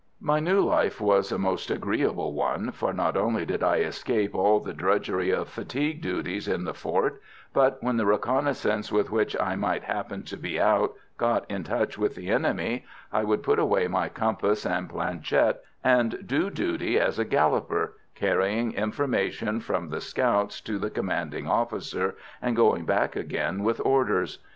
My new life was a most agreeable one, for not only did I escape all the drudgery of fatigue duties in the fort, but when the reconnaissance with which I might happen to be out, got in touch with the enemy, I would put away my compass and planchette and do duty as a galloper; carrying information from the scouts to the commanding officer, and going back again with orders.